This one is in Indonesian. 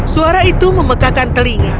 suara itu memegahkan telinga